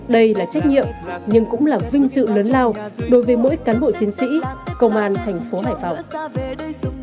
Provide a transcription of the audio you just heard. đây là trách nhiệm nhưng cũng là vinh dự lớn lao đối với mỗi cán bộ chiến sĩ công an thành phố hải phòng